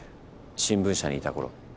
新聞社にいた頃。